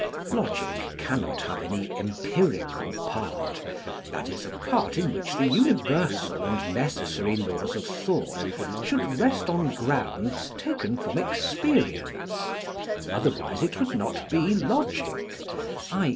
Logic cannot have any empirical part; that is, a part in which the universal and necessary laws of thought should rest on grounds taken from experience; otherwise it would not be logic, i.